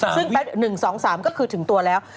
ซึ่ง๑๒๓ก็คือถึงตัวแล้ว